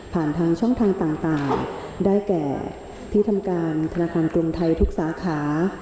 ทางช่องทางต่างได้แก่ที่ทำการธนาคารกรุงไทยทุกสาขา